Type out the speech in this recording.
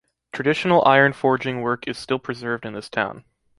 Traditional iron forging work is still preserved in this town.